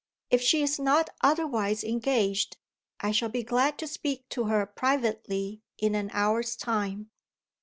If she is not otherwise engaged, I shall be glad to speak to her privately in an hour's time."